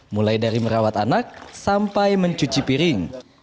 mulai dari merawat anak sampai mencuci piring